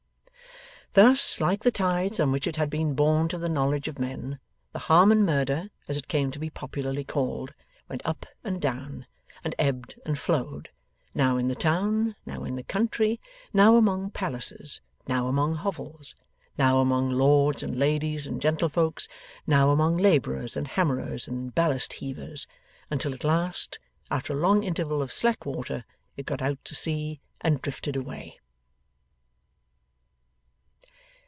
Thus, like the tides on which it had been borne to the knowledge of men, the Harmon Murder as it came to be popularly called went up and down, and ebbed and flowed, now in the town, now in the country, now among palaces, now among hovels, now among lords and ladies and gentlefolks, now among labourers and hammerers and ballast heavers, until at last, after a long interval of slack water it got out to sea and drifted away.